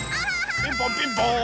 ピンポンピンポーン。